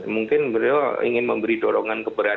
mungkin beliau ingin memberi dorongan kepada